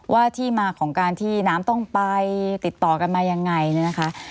ว่าที่มาของการที่น้ำต้องไปติดต่อกันมายังไงเนี่ยนะคะ